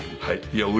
はい。